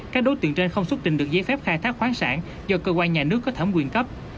các đối tượng trên không xuất trình được giấy phép khai thác khoáng sản do cơ quan nhà nước có thẩm quyền cấp